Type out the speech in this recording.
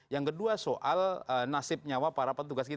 yang kedua soal nasib nyawa para petugas kita